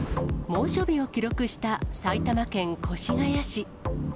猛暑日を記録した埼玉県越谷市。